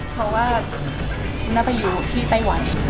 เพราะว่าน่าไปอยู่ที่ไต้วัน